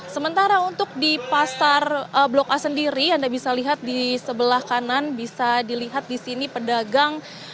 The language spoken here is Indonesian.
sementara untuk di pasar blok a sendiri anda bisa lihat di sebelah kanan bisa dilihat di sini pedagang